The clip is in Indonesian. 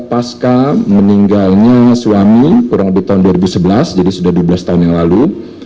pasca meninggalnya suami kurang lebih tahun dua ribu sebelas jadi sudah dua belas tahun yang lalu